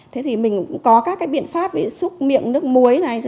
thế thì mình có các biện pháp bị xúc miệng nước muối này